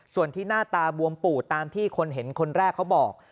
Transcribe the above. ส่วนที่หน้าตาบวมปูดตามที่คนเห็นคนแรกเขาบอก